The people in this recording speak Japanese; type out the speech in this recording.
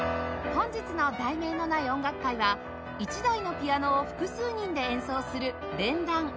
本日の『題名のない音楽会』は１台のピアノを複数人で演奏する連弾